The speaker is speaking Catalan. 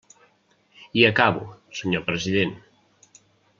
I acabo, senyor president.